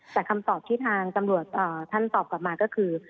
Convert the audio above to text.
แต่คำตอบที่ทางตำรวจท่านตอบกลับมาก็คือ